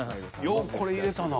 ［ようこれ入れたな］